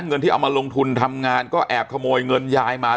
เงินที่เอามาลงทุนทำงานก็แอบขโมยเงินยายมา